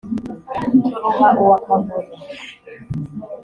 turuha uwa kavuna